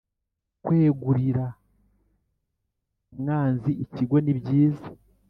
kwegurira umwanzi ikigo nibyiza